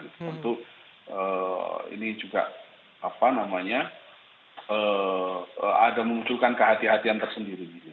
itu ini juga apa namanya ada mengunculkan kehati hatian tersendiri